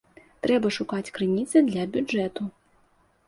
Трэба шукаць крыніцы для бюджэту.